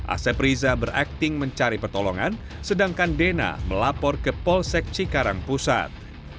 asep riza berakting mencari pertolongan sedangkan dena melapor ke polsek cikarang pusat